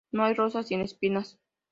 No hay rosa sin espinas